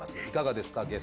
いかがですか？